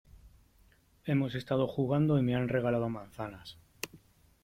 hemos estado jugando y me han regalado manzanas ,